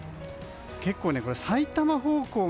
結構、埼玉方向